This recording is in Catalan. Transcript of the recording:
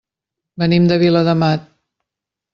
Venim de Viladamat.